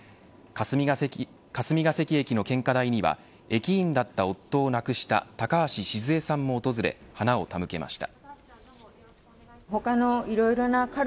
霞ケ関駅の献花台には駅員だった夫を亡くした高橋シズヱさんも訪れ花を手向けました。